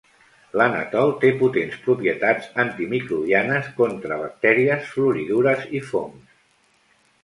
L'anetol té potents propietats antimicrobianes, contra bactèries, floridures i fongs.